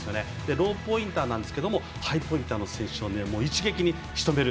ローポインターなんですけどハイポインターの選手を一撃にしとめる。